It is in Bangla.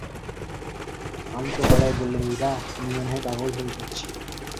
ক্লান্ত গলায় বললেন, ইরা, আমি মনে হয় পাগল হয়ে যাচ্ছি।